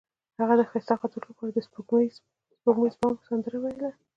هغې د ښایسته خاطرو لپاره د سپوږمیز بام سندره ویله.